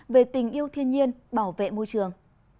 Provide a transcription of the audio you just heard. về tình yêu thiên nhiên bảo vệ môi trường